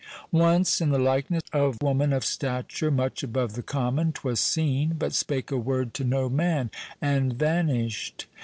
Once in the likenesse of woman, Of stature much above the common, 'Twas seene, but spak a word to no man, And vanish'd.